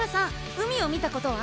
海を見たことは？